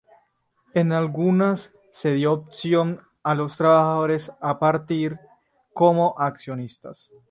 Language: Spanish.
En algunas se dio opción a los trabajadores a participar como accionistas.